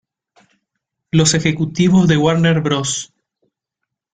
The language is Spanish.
Los ejecutivos de Warner Bros.